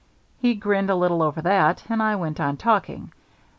He grinned a little over that, and I went on talking.